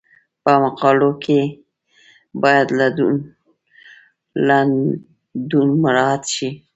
په مقالو کې باید لنډون مراعات شي.